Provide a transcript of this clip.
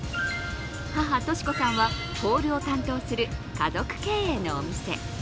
母・敏子さんはホールを担当する家族経営のお店。